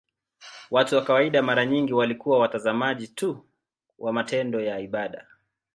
Watu wa kawaida mara nyingi walikuwa watazamaji tu wa matendo ya ibada.